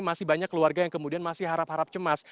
masih banyak keluarga yang kemudian masih harap harap cemas